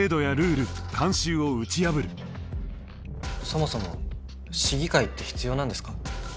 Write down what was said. そもそも市議会って必要なんですか？